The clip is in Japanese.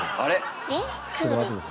ちょっと待って下さい。